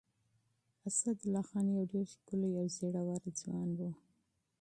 اسدالله خان يو ډېر ښکلی او زړور ځوان و.